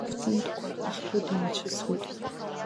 Аеҵә секундқәа ахькыду, имацәысуеит.